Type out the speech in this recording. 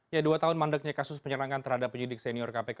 ya dua tahun mandeknya kasus penyerangan terhadap penyidik senior kpk